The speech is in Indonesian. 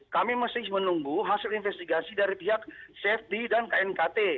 kami masih menunggu hasil investigasi dari pihak safety dan knkt